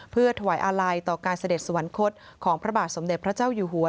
เพื่อถวายอาลัยต่อการเสด็จสวรรคตของพระบาทสมเด็จพระเจ้าอยู่หัว